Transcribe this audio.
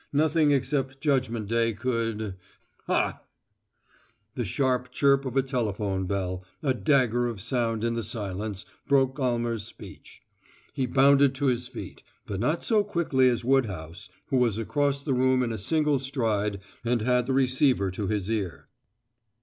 Nothing except judgment day could Hah!" The sharp chirp of a telephone bell, a dagger of sound in the silence, broke Almer's speech. He bounded to his feet; but not so quickly as Woodhouse, who was across the room in a single stride and had the receiver to his ear.